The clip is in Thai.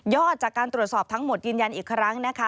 จากการตรวจสอบทั้งหมดยืนยันอีกครั้งนะคะ